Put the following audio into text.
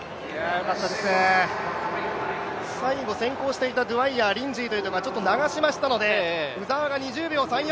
最後先行していた、ドウァイヤーリンジーというところはちょっと流しましたので、鵜澤が２０秒３４！